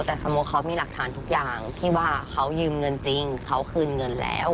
แต่สมมุติเขามีหลักฐานทุกอย่างที่ว่าเขายืมเงินจริงเขาคืนเงินแล้ว